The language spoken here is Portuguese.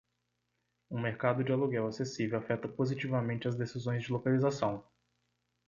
Um mercado de aluguel acessível afeta positivamente as decisões de localização.